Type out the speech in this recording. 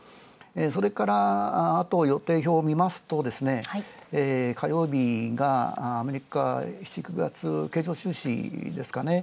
それからあと予定表を見ますと、火曜日が、アメリカ７−９月経常収支ですかね。